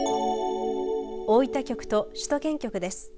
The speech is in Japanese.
大分局と首都圏局です。